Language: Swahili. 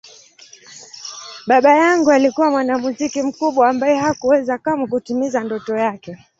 Baba yangu alikuwa mwanamuziki mkubwa ambaye hakuweza kamwe kutimiza ndoto yake.